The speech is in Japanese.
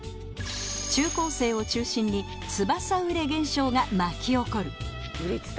中高生を中心につばさ売れ現象が巻き起こる